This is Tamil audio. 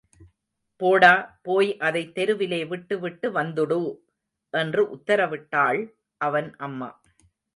போடா, போய் அதைத் தெருவிலே விட்டுவிட்டு வந்துடு! என்று உத்தரவிட்டாள் அவன் அம்மா.